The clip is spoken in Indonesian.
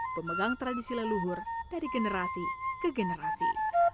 pemegang tradisi leluhur dari generasi ke generasi